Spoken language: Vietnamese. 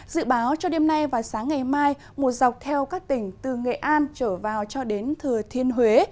dự báo cho đêm nay và sáng ngày mai một dọc theo các tỉnh từ nghệ an trở vào cho đến thừa thiên huế